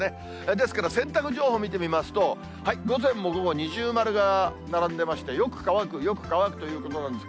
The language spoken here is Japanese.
ですから洗濯情報見てみますと、午前も午後、二重丸が並んでまして、よく乾く、よく乾くということなんです。